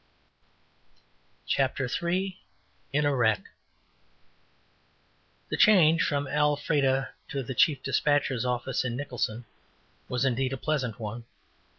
CHAPTER III IN A WRECK The change from Alfreda to the chief despatcher's office in Nicholson was, indeed, a pleasant one.